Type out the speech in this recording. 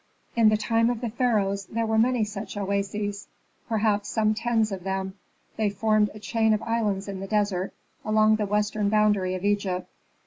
In the time of the pharaohs there were many such oases, perhaps some tens of them. They formed a chain of islands in the desert, along the western boundary of Egypt.